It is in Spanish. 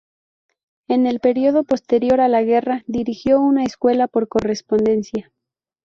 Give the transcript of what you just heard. En el período posterior a la guerra, dirigió una escuela por correspondencia.